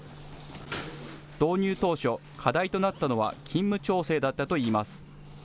導入当初、課題となったのは勤務調整だったといいます。